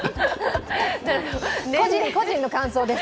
個人の感想です。